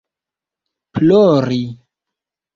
plori